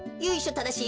ただしい